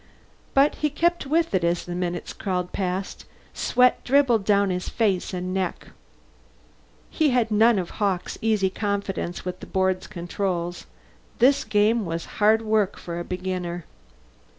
But he kept with it as the minutes crawled past. Sweat dribbled down his face and neck. He had none of Hawkes' easy confidence with the board's controls; this game was hard work for a beginner.